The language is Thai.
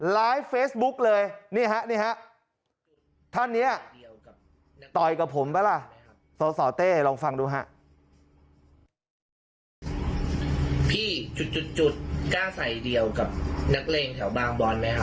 ไลฟ์เฟซบุ๊กเลยนี่ฮะนี่ฮะ